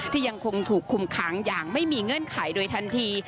ยังคงถูกคุมขังอย่างไม่มีเงื่อนไขโดยทันที